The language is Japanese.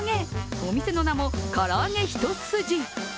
お店の名も、唐揚げ一筋。